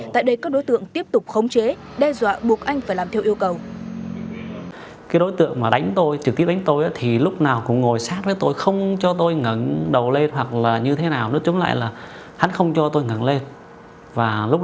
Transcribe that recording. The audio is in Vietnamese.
tại đây các đối tượng tiếp tục khống chế đe dọa buộc anh phải làm theo yêu cầu